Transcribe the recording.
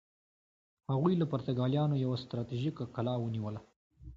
هغوی له پرتګالیانو یوه ستراتیژیکه کلا ونیوله.